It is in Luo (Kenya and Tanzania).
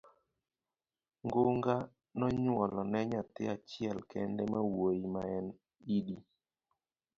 Ngunga nonyuolo ne nyathi achiel kende mawuoyi ma en Idi